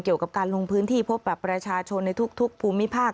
เกี่ยวกับการลงพื้นที่พบกับประชาชนในทุกภูมิภาค